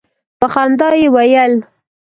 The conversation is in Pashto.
په خندا یې ویل.